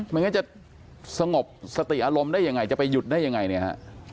ไม่งั้นจะสงบสติอารมณ์ได้ยังไงจะไปหยุดได้ยังไงเนี่ยฮะ